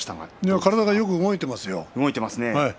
体がよく動いてますよ。